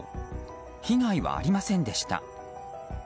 被害はありませんでした。